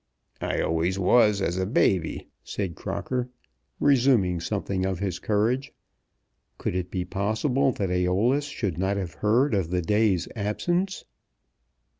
"I always was as a baby," said Crocker, resuming something of his courage. Could it be possible that Æolus should not have heard of the day's absence?